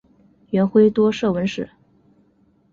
元晖多涉文史。